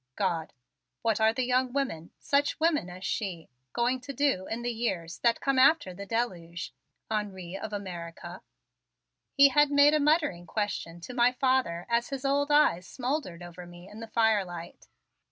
"God! what are the young women such women as she going to do in the years that come after the deluge, Henri of America?" he had made a muttering question to my father as his old eyes smouldered over me in the fire light.